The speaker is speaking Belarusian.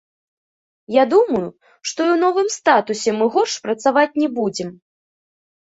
Я думаю, што і ў новым статусе мы горш працаваць не будзем.